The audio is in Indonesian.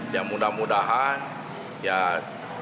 ya mudah mudahan ya tanjung balai